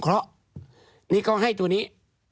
เขาให้ตัวนี้